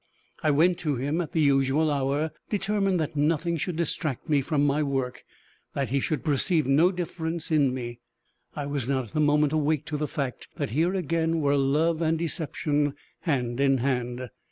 I went to him at the usual hour, determined that nothing should distract me from my work that he should perceive no difference in me. I was not at the moment awake to the fact that here again were love and deception hand in hand.